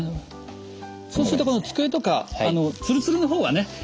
そうするとこの机とかツルツルの方がね